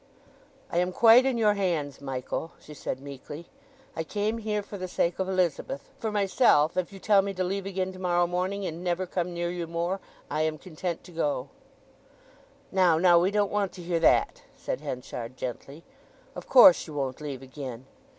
"I am quite in your hands, Michael," she said meekly. "I came here for the sake of Elizabeth; for myself, if you tell me to leave again to morrow morning, and never come near you more, I am content to go." "Now, now; we don't want to hear that," said Henchard gently. "Of course you won't leave again.